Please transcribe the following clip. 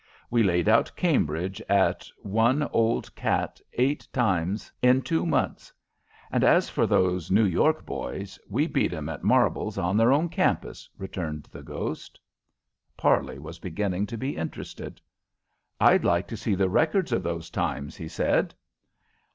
We laid out Cambridge at one old cat eight times in two months, and as for those New York boys, we beat 'em at marbles on their own campus," returned the ghost. Parley was beginning to be interested. "I'd like to see the records of those times," he said.